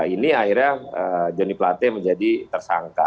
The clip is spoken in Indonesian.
ini akhirnya joni plate menjadi tersangka